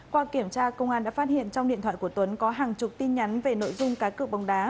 qua kiểm tra công an đã phát hiện trong điện thoại của tuấn có hàng chục tin nhắn về nội dung cá cược bóng đá